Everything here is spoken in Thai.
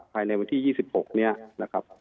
ภายในวันที่๒๖นี้นะครับ